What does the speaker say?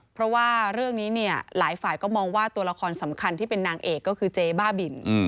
เพราะว่าเรื่องนี้เนี่ยหลายฝ่ายก็มองว่าตัวละครสำคัญที่เป็นนางเอกก็คือเจ๊บ้าบิน